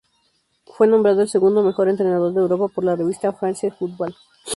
Fue nombrado el segundo mejor entrenador de Europa por la revista "France Football".